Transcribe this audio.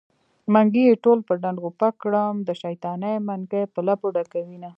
منګي يې ټول په ډنډ غوپه کړم د شيطانۍ منګی په لپو ډکوينه